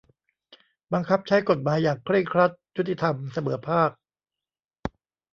บังคับใช้กฎหมายอย่างเคร่งครัด ยุติธรรม เสมอภาค